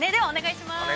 では、お願いします。